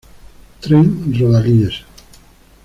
Tren Rodalies